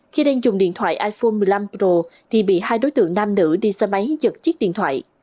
khi đang dùng điện thoại iphone một mươi năm pro thì bị hai đối tượng nam nữ đi xe máy giật chiếc điện thoại